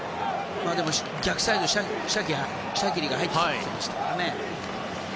でも、逆サイドにシャキリが入っていましたね。